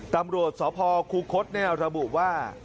ตำรวจสภคุ้คศแนวระบุว่า